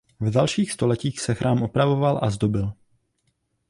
V dalších stoletích se chrám opravoval a zdobil.